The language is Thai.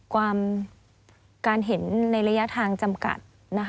การเห็นในระยะทางจำกัดนะคะ